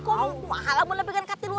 kok mahal kamu lebih dari seratus ribu